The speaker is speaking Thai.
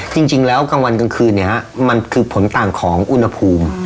จริงแล้วกลางวันกลางคืนเนี่ยมันคือผลต่างของอุณหภูมิ